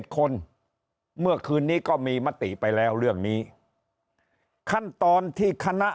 คนเมื่อคืนนี้ก็มีมติไปแล้วเรื่องนี้ขั้นตอนที่คณะ